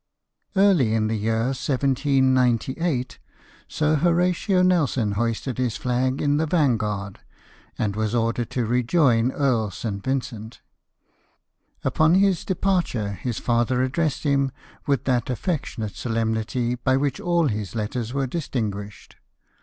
Early in the year 1798 Sir Horatio Nelson hoisted his j0[ag in the Vanguard, and was ordered to rejoiQ Earl St. Vincent. Upon his departure his father addressed him with that affectionate solemnity by which all his letters were distinguished.